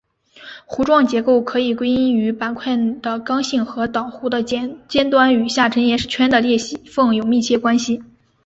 弧状结构可以归因于板块的刚性和岛弧的尖端与下沉岩石圈的裂缝有密切关系。